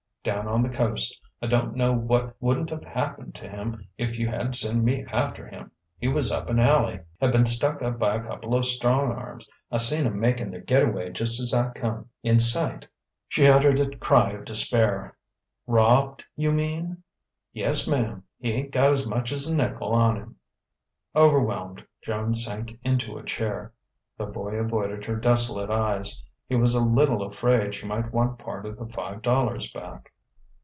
"Down on the Coast. I don't know what wouldn't've happened to him if you hadn't sent me after him. He was up an alley had been stuck up by a couple of strong arms. I seen 'em making their get away just as I come in sight." She uttered a cry of despair: "Robbed you mean?" "Yes, ma'm. He ain't got as much's a nickel on him." Overwhelmed, Joan sank into a chair. The boy avoided her desolate eyes; he was a little afraid she might want part of the five dollars back.